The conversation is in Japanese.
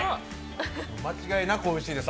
間違いなくおいしいです。